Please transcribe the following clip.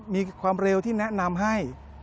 มีความเร็วที่แนะนำให้